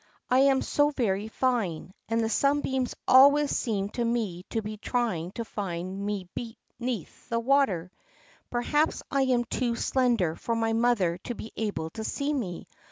"I am so very fine, and the sunbeams always seem to me to be trying to find me beneath the water. Perhaps I am too slender for my mother to be able to see me.